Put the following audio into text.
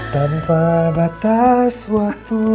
tanpa batas waktu